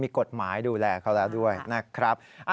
มีกฎหมายดูแลเขาแล้วด้วยนะครับ